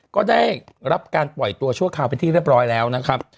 ก็ได้รับการปล่อยตัวชั่วคราวเป็นที่เรียบร้อยแล้วนะครับ